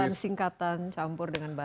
singkatan singkatan campur dengan bahasa